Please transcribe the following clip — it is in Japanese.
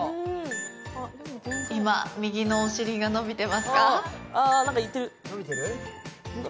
今、右のお尻が伸びてますか？